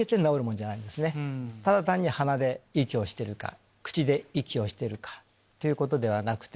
ただ単に鼻で息をしてるか口で息をしてるかということではなくて。